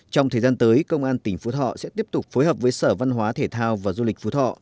trong thời gian tới công an tỉnh phú thọ sẽ tiếp tục phối hợp với sở văn hóa thể thao và du lịch phú thọ